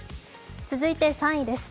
続いて３位です。